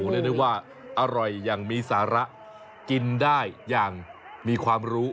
เรียกได้ว่าอร่อยอย่างมีสาระกินได้อย่างมีความรู้